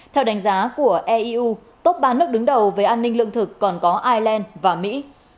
theo đánh giá của eu top ba nước đứng đầu về an ninh lương thực còn có ireland và mỹ